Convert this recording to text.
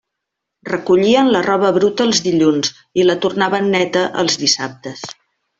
Recollien la roba bruta els dilluns i la tornaven neta els dissabtes.